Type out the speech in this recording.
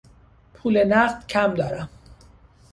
پول نقد کم دارم.